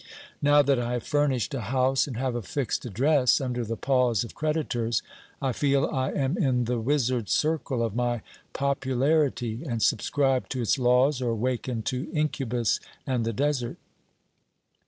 Now that I have furnished a house and have a fixed address, under the paws of creditors, I feel I am in the wizard circle of my popularity and subscribe to its laws or waken to incubus and the desert.